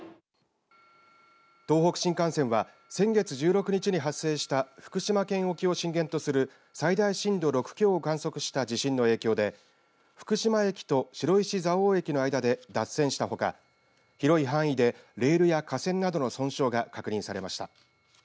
東北新幹線は先月１６日に発生した福島県沖を震源とする最大震度６強を観測した地震の影響で福島市と白石蔵王駅の間で脱線したほか広い範囲でレールや架線などの損傷が確認されました。